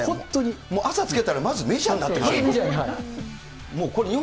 朝つけたらまずメジャーになってるよね。